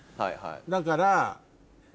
だから。